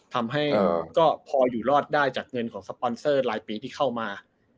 ทำให้ก็พออยู่รอดได้จากเงินของสปอนเซอร์รายปีที่เข้ามา